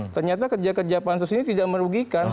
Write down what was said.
ternyata kerja kerja pansus ini tidak merugikan